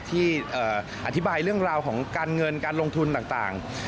ที่อธิบายเรื่องราวของการเงินการลงทุนต่าง